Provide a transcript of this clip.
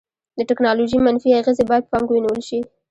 د ټیکنالوژي منفي اغیزې باید په پام کې ونیول شي.